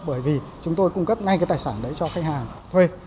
bởi vì chúng tôi cung cấp ngay cái tài sản đấy cho khách hàng thuê